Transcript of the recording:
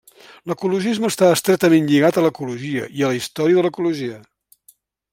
L'ecologisme està estretament lligat a l'ecologia i a la història de l'ecologia.